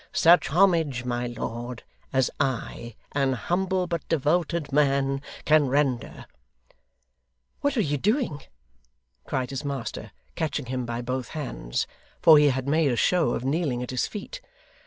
Such homage, my lord, as I, an humble but devoted man, can render ' 'What are you doing?' cried his master, catching him by both hands; for he had made a show of kneeling at his feet.